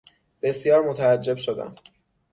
بسیار متعجب شدم.